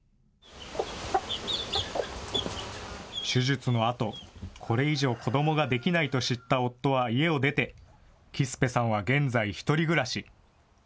手術のあと、これ以上子どもができないと知った夫は家を出て、キスぺさんは現在、１人暮らし。